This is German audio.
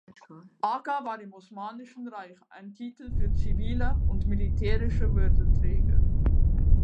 Agha war im Osmanischen Reich ein Titel für zivile und militärische Würdenträger.